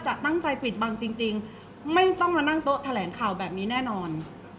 เพราะว่าสิ่งเหล่านี้มันเป็นสิ่งที่ไม่มีพยาน